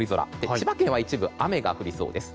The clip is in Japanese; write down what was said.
千葉県は一部雨が降りそうです。